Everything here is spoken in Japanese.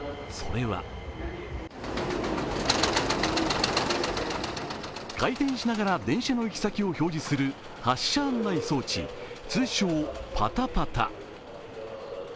それは回転しながら電車の行き先を表示する発車案内装置通称、パタパタ。